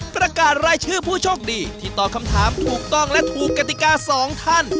ประกาศรายชื่อผู้โชคดีที่ตอบคำถามถูกต้องและถูกกติกาสองท่าน